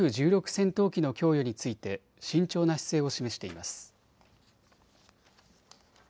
戦闘機の供与について慎重な姿勢を示しています。